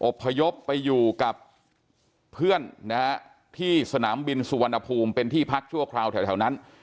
พยพไปอยู่กับเพื่อนนะฮะที่สนามบินสุวรรณภูมิเป็นที่พักชั่วคราวแถวนั้น